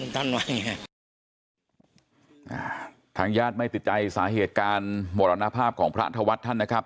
ทางญาติไม่ตื่นใจสาเหตุการณ์มรณภาพของพระทวทธรรม